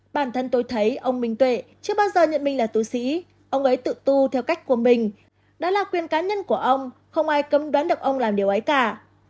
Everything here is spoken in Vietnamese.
bản thân tôi thấy ông minh tuệ chưa bao giờ nhận minh là tù sĩ ông ấy tự tu theo cách của mình đó là quyền cá nhân của ông không ai cấm đoán được ông làm điều ấy cả